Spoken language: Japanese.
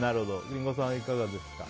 リンゴさん、いかがですか？